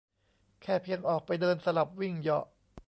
แค่เพียงออกไปเดินสลับวิ่งเหยาะ